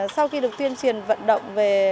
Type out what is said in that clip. sau khi được tuyên truyền vận động về